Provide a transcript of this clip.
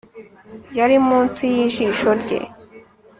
Yari munsi yijisho rye